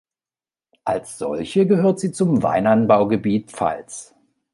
Als solche gehört sie zum Weinanbaugebiet Pfalz.